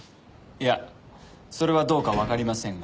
いやそれはどうかわかりませんが。